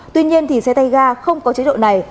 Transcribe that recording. tuy nhiên xe tay ga không có chế độ này